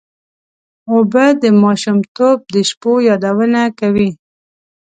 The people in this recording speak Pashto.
اوبه د ماشومتوب د شپو یادونه کوي.